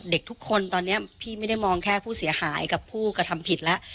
เด็กทุกคนตอนนี้พี่ไม่ได้มองแค่ผู้เสียหายกับผู้กระทำผิดแล้ว